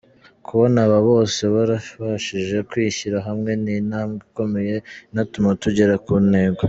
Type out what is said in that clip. Kubona aba bose barabashije kwishyira hamwe, ni intambwe ikomeye inatuma tugera ku ntego.